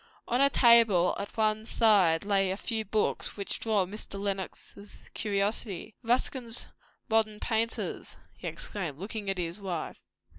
On a table at one side lay a few books, which drew Mr. Lenox's curiosity. "Ruskin's 'Modern Painters'!" he exclaimed, looking at his wife.